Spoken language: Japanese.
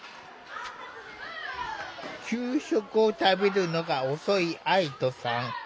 給食を食べるのが遅い愛土さん。